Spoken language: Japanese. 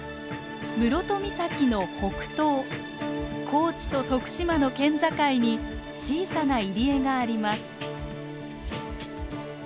高知と徳島の県境に小さな入り江があります。